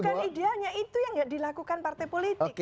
bukan idealnya itu yang tidak dilakukan partai politik